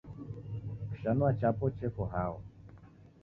kishanua chapo cheko hao?